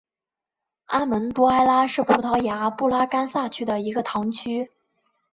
阿门多埃拉是葡萄牙布拉干萨区的一个堂区。